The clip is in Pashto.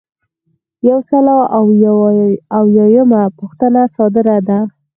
یو سل او اویایمه پوښتنه صادره ده.